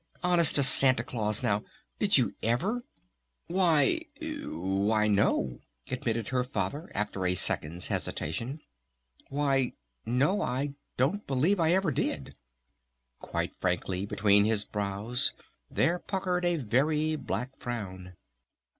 Honest to Santa Claus now, did you ever?" "Why Why, no," admitted her Father after a second's hesitation. "Why no, I don't believe I ever did." Quite frankly between his brows there puckered a very black frown.